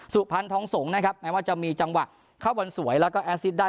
สุพรรณท้องสงแม้ว่าจะมีจังหวะเข้าวันสวยแล้วก็แอซิดได้